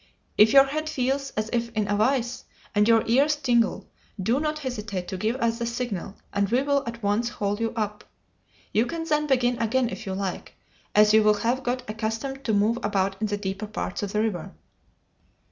If your head feels as if in a vice, and your ears tingle, do not hesitate to give us the signal, and we will at once haul you up. You can then begin again if you like, as you will have got accustomed to move about in the deeper parts of the river."